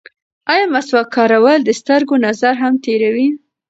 ایا مسواک کارول د سترګو نظر هم تېروي؟